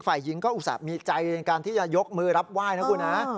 ฝ่ายหญิงก็อุตส่าห์มีใจในการที่จะยกมือรับไหว้นะคุณฮะ